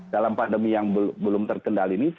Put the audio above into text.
dalam pandemi yang belum terkendali ini